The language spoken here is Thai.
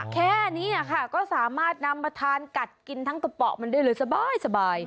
แค่นี้ค่ะก็สามารถนำมาทานกัดกินทั้งกระเป๋ามันได้เลยสบาย